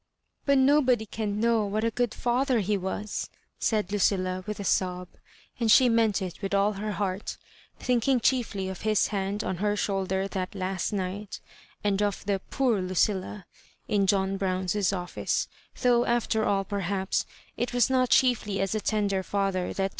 *' But nobody can know what a good fkther he was," said Lucilla^ with a sob ; and she meant it with all her heart, thinking chiefly of his hand on her shoulder that last night, and of the "Poor Lucillal" in John Brown's office ; though, after all, perhaps, it was not chiefly as a tender father that Pr.